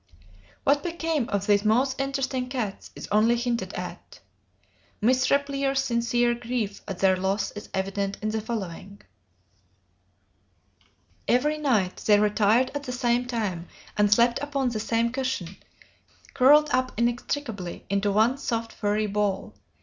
What became of these most interesting cats, is only hinted at; Miss Repplier's sincere grief at their loss is evident in the following: "Every night they retired at the same time and slept upon the same cushion, curled up inextricably into one soft, furry ball.